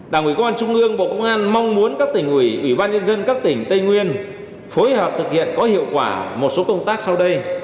đảng ủy công an trung ương bộ công an mong muốn các tỉnh ủy ủy ban nhân dân các tỉnh tây nguyên phối hợp thực hiện có hiệu quả một số công tác sau đây